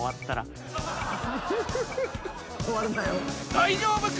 ［大丈夫か？